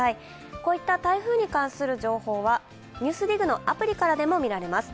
こういった台風に関する情報はＮＥＷＳＤＩＧのアプリからも見れます。